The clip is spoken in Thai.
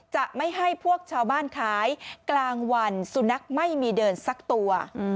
จะไม่ให้พวกชาวบ้านขายกลางวันสุนัขไม่มีเดินสักตัว